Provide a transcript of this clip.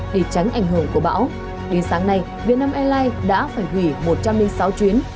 để tránh ảnh hưởng của bão đến sáng nay vietnam airlines đã phải hủy một trăm linh sáu chuyến